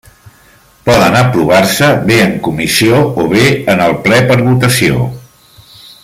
Poden aprovar-se bé en comissió o bé en el ple per votació.